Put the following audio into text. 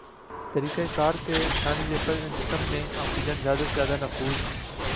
طریقہ کار کے انسانی جسم میں آکسیجن زیادہ سے زیادہ نفوذ